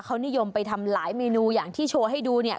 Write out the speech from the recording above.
เขานิยมไปทำหลายเมนูอย่างที่โชว์ให้ดูเนี่ย